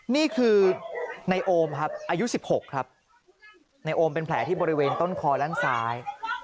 นี่คือในโอมครับอายุ๑๖ครับในโอมเป็นแผลที่บริเวณต้นคอด้านซ้าย